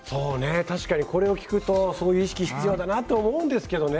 確かにこれを聞くとそういう意識必要だなと思うんですけどね